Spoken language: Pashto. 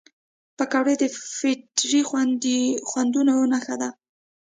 پکورې د فطري خوندونو نښه ده